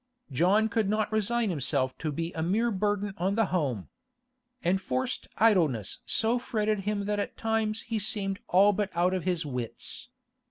John could not resign himself to being a mere burden on the home. Enforced idleness so fretted him that at times he seemed all but out of his wits.